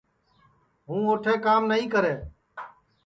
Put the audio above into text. ہوں اوٹھے کام نائی کرے